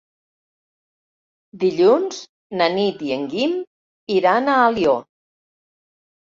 Dilluns na Nit i en Guim iran a Alió.